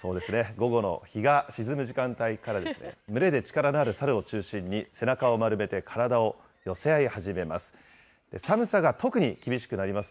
午後の日が沈む時間帯から、群れで力のあるサルを中心に背中を丸めて、体を寄せ合い始めます。